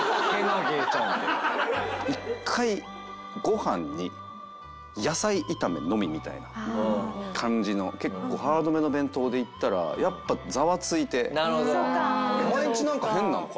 一回ご飯に野菜炒めのみみたいな感じの結構ハードめの弁当で行ったらやっぱザワついて「お前んちなんか変なのか？」